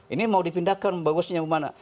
ini mau dipindahkan bagusnya kemana